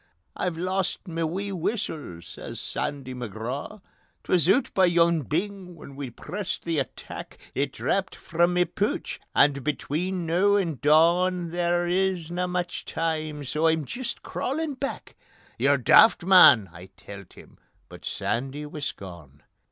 "I've lost ma wee whustle," says Sandy McGraw. "'Twas oot by yon bing where we pressed the attack, It drapped frae ma pooch, and between noo and dawn There isna much time so I'm jist crawlin' back. ..." "Ye're daft, man!" I telt him, but Sandy wis gone.